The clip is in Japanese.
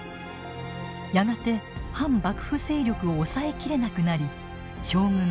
やがて反幕府勢力を抑え切れなくなり将軍